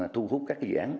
thu hút các dự án